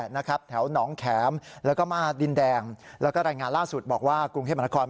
นะครับแถวหนองแข็มแล้วก็มาดินแดงแล้วก็รายงานล่าสุดบอกว่ากรุงเทพมหานคร